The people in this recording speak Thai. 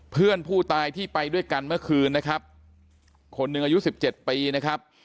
เพื่อนผู้ตายที่ไปด้วยกันเมื่อคืนนะครับคนหนึ่งอายุสิบเจ็ดปีนะครับ